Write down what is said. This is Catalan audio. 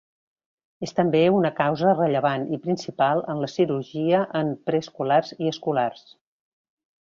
És també una causa rellevant i principal en la cirurgia en preescolars i escolars.